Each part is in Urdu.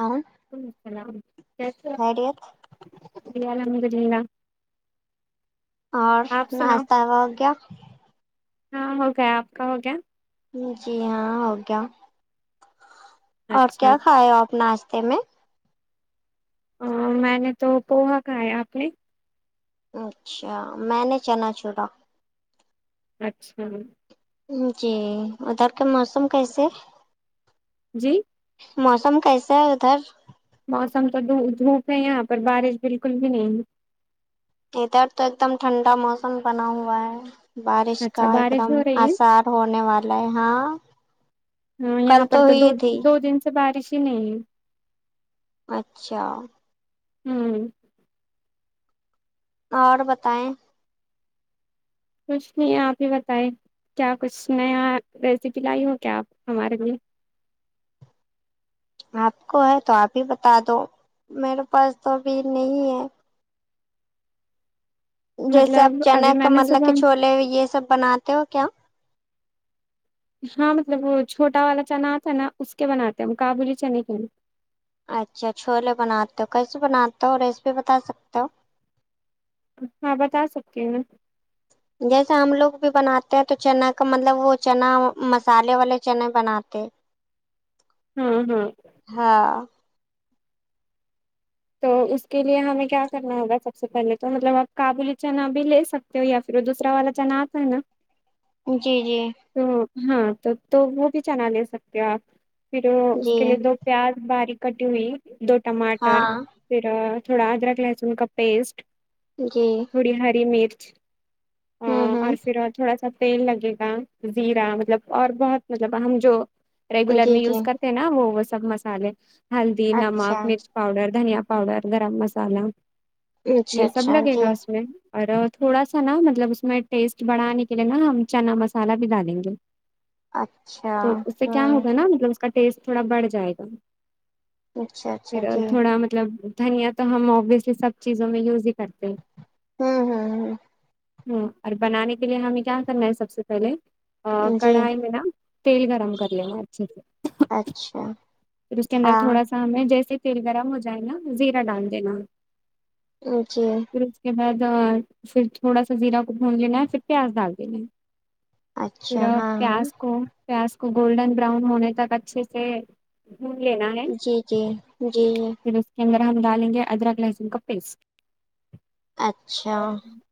ہاں وعلیکم اسلام کیسی ہو خیریت جی الحمد للہ اور آپ سناؤ ناشتہ ہوگیا ہاں ہو گیا آپ کا ہو گیا جی ہاں ہو گیا اور اچھا کیا کھائے آپ ناشتے میں آ میں نے تو پوہا کھایا آپ نے اچھا میں نے چنا چھوٹا اچھا امم جی ادھر کے موسم کیسے ہے جی موسم کیسا ہے ادھر موسم تو د دھوپ ہے یہاں پر بارش بالکل بھی نہیں ہے ادھر تو ایک دم ٹھنڈا موسم بنا ہوا ہے بارش کا اچھا ایک بارش دم ہو رہی ہے آثار ہونے والا ہے ہاں ہاں کل یہاں تو پر ہوی دو ہی تھی دو دن تو بارش ہی نہیں ہے اچھا امم اور بتائیں کچھ نہیں آپ ہی بتائیں کیا کچھ نیا ریسیپی لائی ہو کیا آپ ہمارے لیے آپ کو ہے تو آپ ہی بتا دو میرے پاس تو ابھی نہیں ہے جیسے آپ مطلب ابھی چناکا میں نے مطلب کہ صبح چھولے یہ سب بناتے ہو کیا ہاں مطلب وہ چھوٹا والا چنا آتا ہے نا اس کے بناتے ہم کابلی چنے کے نںی اچھا چھولے بناتے ہو کیسے بناتے ہو ریسیپی بتا سکتے ہو اتنا بتا سکتی ہوں جیسا ہم لوگ بھی بناتے ہیں تو چنا کا مطلب وہ چنا مسالے والے چنا بنا تو امم امم ہاں تو اس کے لیے ہمیں کیا کرنا ہوگا سب سے پہلے تو مطلب آپ کابلی چنا بھی لے سکتے تو یا پھر دوسر والا چنا آتا ہے نا جی جی تو ہاں تو تو وہ بھی چنا لے سکتے ہو آپ پھر اس جی کے لیے دو پیاز باریک کٹی ہوئی دو ٹماٹر ہاں پھر تھوڑا ادرک لہسن کا پیسٹ جی پھر ہری مرچ ہوں اور ہوں پھر اور تھوڑا سا تیل لگے گا زیرا مطلب اور بہت مطلب ہم جو ریگولر جی میں جی یوز کرتے ہیں نا وہ وہ سب مسالے ہلدی اچھا نمک مرچ پاؤڈر دھنیا پاؤڈر گرم مسالہ اچھا یہ سب اچھا لگے جی گا اس میں اور تھوڑا سا نا مطلب اس میں ٹیسٹ بڑھانے کے لیے نا ہم چنا مسالہ بھی ڈالیں گے اچھا تو اس سے کیا امم ہوگا نا مطلب اس کا ٹیسٹ تھوڑا بڑھ جائے گا اچھا اچھا پھر جی تھوڑا مطلب دھنیا تو ہم اوبویسلی سب چیزوں میں یوز ہی کرتے ہیں ہوں ہوں ہاں اور بنانے کے لیے ہمیں کیا کرنا ہے سب سے پہلے آ ہ جی کڑھائی میں نا تیل گرم کر لینا اچھے سے اچھا پھر اس کے اندر ہاں تھوڑا س میں جیسے تیل گرم ہو جائے نا زیرا ڈال دینا جی پھر اس کے بعد پھر تھوڑا سا زیرہ کو بھون لینا ہے پھر پیاز ڈال دینا ہے اچھا پھر آپ ہاں ہاں پیاز کو پیاز کو گولڈن براؤن ہونے تک اچھے سے بھون لینا ہے جی جی جی پھر اس کے اندر ہم ڈالیں گے ادرک لہسن کا پیسٹ اچھا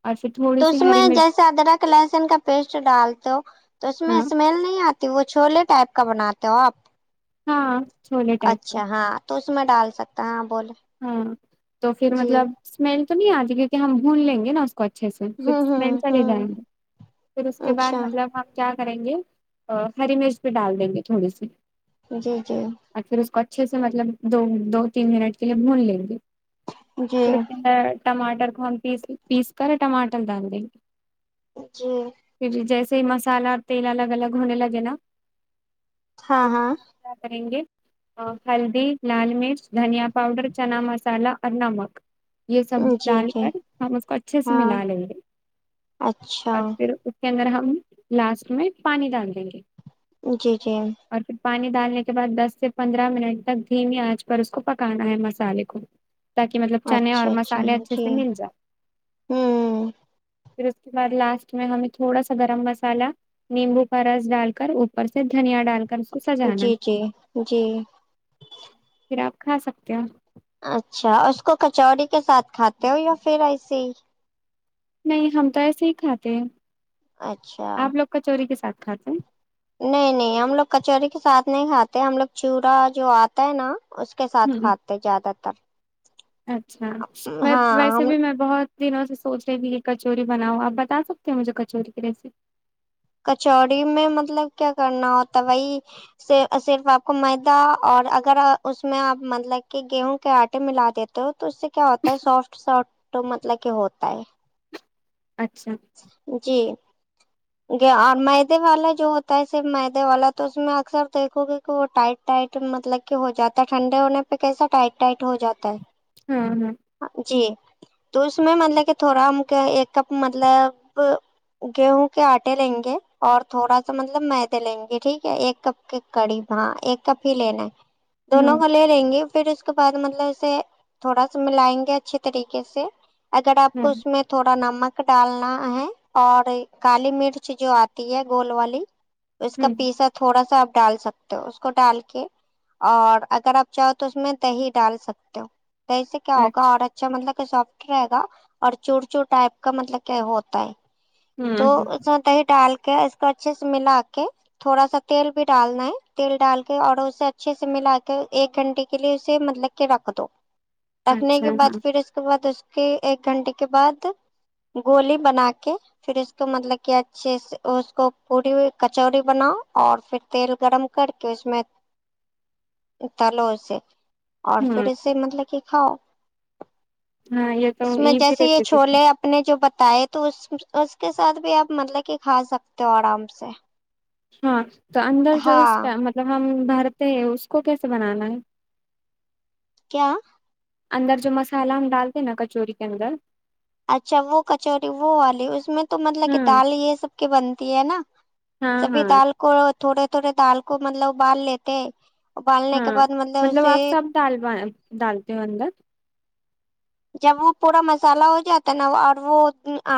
اور پھر تو تھوڑی سی اس ہری میں مرچ جیسا ادرک لہسن کا پیسٹ ڈالتے ہو تو اس میں ہاں اسمیل نہیں آت وہ چھولے ٹائپ کا بناتے ہو آپ ہاں چھولے ٹائپ اچھا کا، ہاں تو اس میں ڈال سکتا ہاں بولے ہاں تو پھر جی مطلب اسمیل تو نہیں آتی کیونکہ ہم بھون لیں گے نا اچھے سے ہوں پھرسمیل ہوں ہوں جائیں گے پھر اس کے بعد اچھا مطلب ہم کیا کریں گے ہری مرچ بھی ڈال دیں گے تھوڑی سی جی جی اور پھر اس کو اچھے سے مطلب دو دو تین منٹ کے لیے بھون لیں گے جی پھر ٹماٹر کو ہم پیس پیس کر ٹماٹر دال دیں جی پھر جیسے ہی مسالہ اور تیل الگ الگ ہونے لگے نا ہاں تو پھر ہاں ہم کیا کریں گے ہلدی لال مرچ دھنیا پاؤڈر چنا مسالہ اور نمک یہ سب جی ڈال جی کر ہم اس کو اچھے سے ہاں ملا لیں گے اچھا اور پھر کے اندر ہم لاسٹ میں پانی ڈال دیں گے جی جی اور پھر پانی ڈالنے کے بعد دس سے پندرہ منٹ تک دھیمی آنچ پر اس کو پک کانا ہے مسالے کو تاکہ مطلب چنے اور اچھا اچھا مسالے اچھے جی سے مل جائے ہوں پھر اس کے بعد لاسٹ میں ہمیں تھوڑا سا گرم مسالا نیمبو کا رس ڈال کر اوپر سے دھنیا ڈال کر اس کو سجانا جی ہے جی جی پھر آپ کھا سکتے ہو اچھا اس کو کچوڑی کے ساتھ کھاتے ہو یا پھر ایسے ہی نہیں ہم تو ایسے ہی کھاتے ہیں اچھا آپ لوگ کچوری کے ساتھ کھاتے ہیں نہیں نہیں ہم لوگ کچوری کے ساتھ نہیں کھاتے ہم لوگ چڑا جو آتا ہے نا اس کے ساتھ ہوں کھاتے زیادہ تر اچھا میں ہاں ویسے ہم بھی میں بہت دنوں سے سوچ رہے بھی یہ کچوری بناؤ آپ بتا سکتے ہو مجھے کچوری کی ریسیپی کچوڑی میں مطلب کیا کرنا ہوتا وہی صرف آپ کو میدا اور اگر اس میں آپ مطلب کہ گیہوں کے آٹے ملا دیتے تو اس سے کیا ہوتا ہے سافٹ سافٹ مطلب کہ ہوتا ہے اچھا جی جی ا میدے والا جو ہوتا ہے صرف میدے والا تو اس میں اکثر دیکھو گے کہ وہ ٹائٹ ٹائٹ مطلب کہ ہو جاتا ہے ٹھنڈے ہونے پہ کیسا ٹائٹ ٹائٹ ہو جاتا ہے ہاں ہاں جی تو اس میں مطلب کہ تھوڑا ہم ایک کپ مطلب گیہوں کے آٹے لیں گے اور تھوڑا سا مطلب میدے لیں گے ٹھیک ہے ایک کپ کڑی ہاں ایک کپ ہی لینا ہے دونوں ہوں کو لے لے گے پھر اس کے بعد مطلب اسے تھوڑا سا ملائیں گے اچھے طریقے سے اگر آپ کو ہوں اس میں تھوڑا نمک ڈالنا ہے اور کالی مرچ جو آتی ہے گول والی اس کا ہوں پیسا تھوڑا سا آپ ڈال سکتے ہو اس کو ڈال کے اور اگر آپ چاہو تو اس میں دہی ڈال سکتے ہو دہی سے کیا ہوگا اور اچھا مطلب کہ سافٹ رہے گا اور چور چور ٹائپ کا مطلب کیا ہوتا ہے تو ہوں ہوں اس میں دہی ڈال کے اس کو اچھے سے ملا کے تھوڑا سا تیل بھی ڈالنا ہے تیل ڈال کے اور اسے اچھے سے ملا کے ایک گھنٹے کے لیے اسے مطلب کے رکھ دو رکھنے اچھا کے ہاں بعد پھر اس کے بعد اس کے ایک گھنٹے کے بعد گولی بنا کے پھر اس کو مطلب کہ اچھے سے اس کو پوری کچوری بناؤ اور پھر تیل گرم کر کے اس میں تلو اسے اور پھر ہوں اسے مطلب کہ کھاؤ ہاں یہ تو اس میں ایزی جیسے یہ ریسیپی تھی چھولے میں نے جو بتائے تو اس اس کے ساتھ بھی آپ مطلب کہ کھا سکتے ہو آرام سے ہاں تو اندر جو ہاں اس کا مطلب ہم بھرتے ہیں اس کو کیسے بنانا ہے کیا اندر جو مسالا ہم ڈالتے ہیں نا کچوری کے اندر اچھا وہ کچوری وہ والی اس میں تو مطلب کہ ہاں دال یہ سب کی بنتی ہے نا ہاں سبھی ہاں دال کو تھوڑے تھوڑے دال کو مطلب ابال لیتے ہیں ہاں مطلب آپ سب ڈال ڈالتے ہو اندر جب وہ پورا مسالہ ہو جاتا نا اور وہ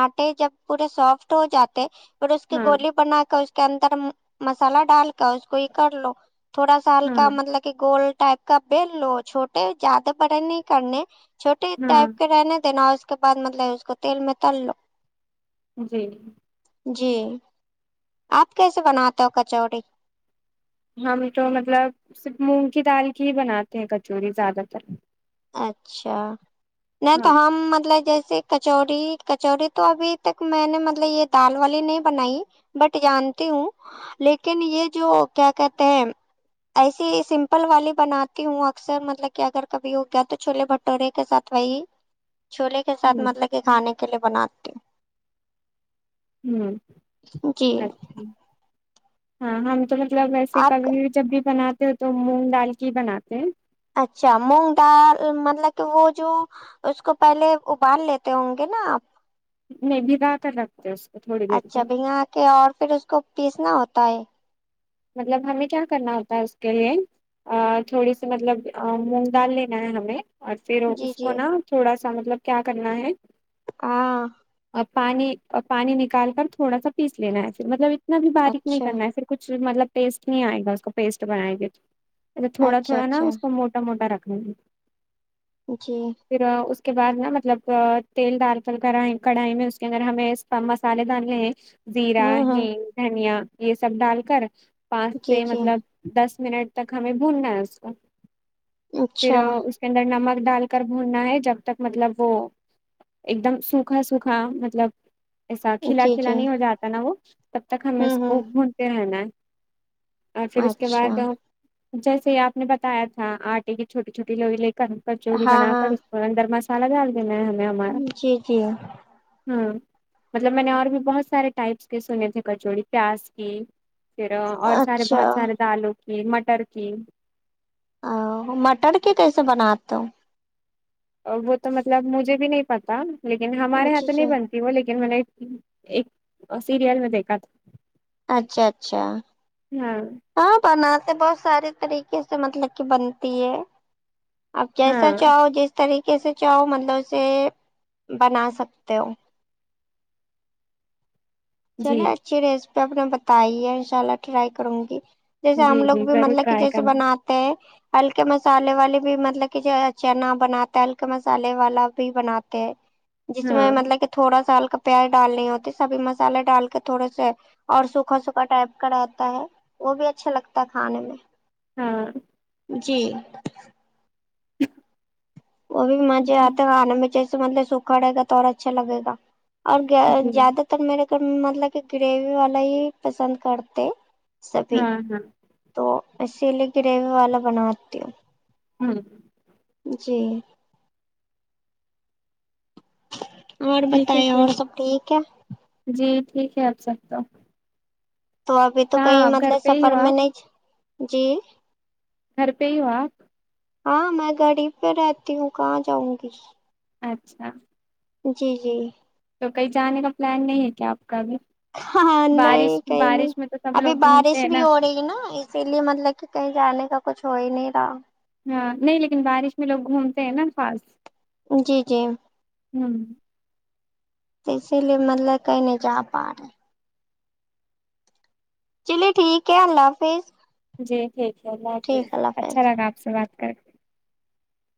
آٹے جب پورے سافٹ ہو جاتے پھر اس کی ہاں گولی بنا کر اس کے اندر مسالہ ڈال کر اس کو یہ کر لو تھوڑا سا ہلکا ہوں مطلب کے گول ٹائپ کا بیل لو چھوٹے زیادہ بڑے نہیں کرنے چھوٹے ہوں ٹائپ کے رہنے دینا اور اس کے بعد مطلب اس کو تیل میں تل لو جی جی آپ کیسے بناتا ہو کچوری ہمیں تو مطلب صرف مونگ کی دال کی ہی بناتے ہیں کچوری زیادہ تر اچھا نہیں تو ہاں ہم مطلب جیسے کچوری کچوری تو ابھی تک میں نے مطلب یہ دال والی نہیں بنائی بٹ جانتی ہوں لیکن یہ جو کیا کہتے ہیں ایسی ہی سمپل والی بناتی ہوں اکثر مطلب کہ اگر کبھی ہو کیا تو چھولے بٹورے کے ساتھ وہی چھولے کے ساتھ ہ مطلب کہ کھانے کے لئے بناتی ہوں ھممم ہوں جی اچھا ہاں ہم تو ب مطلب ویسے کب آپ بھی جب بناتے ہو تو مونگ ڈال کے بناتے ہیں اچھا مونگ دال مطلب کہ وہ جو اس کو پہلے ابال لیتے ہوں گے نا آپ نہیں بھیگا کے رکھ جیس کا تھوڑی اچھا بھیگا کے اور پھر اس کو پیسنا ہوتا ہے مطلب ہمیں کیا کرنا ہوتا ہے اس کے لیے ا تھوڑی سی مطلب مونگ دال لینا ہے ہمیں اور پھر جی اس کو جی نہ تھوڑا سا مطلب کیا کرنا ہے ہاں اور پانی پانی نکال کر تھوڑا سا پیس لینا ہے پھر مطلب اتنا بھی باریک نہیں اچھا کرنا ہے پھر کچھ مطلب ٹسٹ نہیں آئے گا اس کو پیسٹ بنائے گے تو اچھا تھوڑا تھوڑا نہ اس کو موٹا موٹا رکھنے جی پھر اس کے بعد نہ مطلب تیل ڈال کر کڑھائی میں اس کے اندر ہمیں کم مصالے دال لیں زیرا ہوں ہوں ہنگ دھنیا یہ سب ڈال کر پانس جی سے جی مطلب دس منٹ تک ہمیں بھوننا ہے اس کو پھر اچھا کے اندر نمک ڈال کر بھوننا ہے جب تک مطلب وہ ایک دم سوکھا سوکھا مطلب ایسا کھلا جی کھلا جی نہیں ہو جاتا نا وہ تب تک ہمیں ہوں اس کو ہوں بھونتے رہنا ہے اور پھر اس کے اچھا بعد جیسے ہی آپ نے بتایا تھا آٹے کی چھوٹی چھوٹی لوئی لے م کچوڑی ہاں بنا کر ہاں اس کو اندر مسالہ ڈال دینا ہے ہمیں ہمارا جی جی ہوں مطلب میں نے اور بھی بہت سارے ٹائپس کے سنے تھے کچوڑی پیاز کی پھر اور سارے اچھا بہت سارے دالوں کی مٹر کی اں وہ مٹر کے کیسے بناتے ہو وہ تو مطلب مجھے بھی نہیں پتا لیکن ہمارے یہاں جی تو نہیں جی بن کی وہ لیکن میں نے ایک سیریل میں دیکھا تھا اچھا اچھا ہاں ہاں بناتے بہت سارے طریقے سے مطلب کہ بنتی ہے آپ جیسا ہاں چاہو گے طریقے سے چاؤ مطلب سے بنا سکتے ہو جی چلے اچھی ریسپی آپ نے بتائی ہے ان شاء اللہ ٹرائی کروں گی جیسے ہم جی لوگ جی بھی ضرور مطلب کہ ٹرائی جیسے کرنا بناتے ہیں ہلکے مسالے والے بھی مطلب کہ جو چنا بناتے ہلکے مسالے والا بھی بناتے ہیں جس میں ہاں مطلب کہ تھوڑا سا ہلکا پیاز ڈالنی ہوتی سبھی مس الے ڈال کے تھوڑے سے اور سوکھا سوکھا ٹائپ کا رہتا ہے وہ بھی اچھا لگتا ہے کھانے میں ہاں جی وہ بھی مزے جی آتے آنے میں جیسے مطلب سوکھا رہڑے گا تو اور اچھا لگے گا اور جی زیادہ تر میرے گھر مطلب کہ گریوی والا ہی پسند کرتے سبھی ہاں ہاں تو اسی لیے گریوی والا بناتی ہوں ہاں جی اور ٹھیک ہے بتائے اور پھر سب ٹھیک ہے جی ٹھیک ہے آب سب تو تو ابھی تو کہاں کہیں آپ گھر مطلب پہ ہی ہو سفر میں آپ نہیں جی گھر پہ ہی ہو آپ ہاں میں گھر ہی پہ رہتی ہوں کہاں جاؤں گی اچھا جی جی تو کہیں جانے کا پلان نہیں ہے کیا آپ کا ابھی ہاں نہیں بارش کہئی نہیں بارش میں تو سب ابھی لوگ گھومتے بارش ہیں بھی نا ہو رہی ہے نا اسی لیے مطلب کہ کہیں جانے کا کچھ ہو ہی نہیں رہا ہاں نہیں لیکن بارش میں لوگ گھومتے ہیں نا خاص جی جی ہوں تو اسی لیے مطلب کئی نہیں جا پا رہے چلیے ٹھیک ہے اللہ حافظ جی ٹھیک ہے اللہ حافظ ٹھیک ہے اللہ حافظ اچھا لگا آپ سے بات کر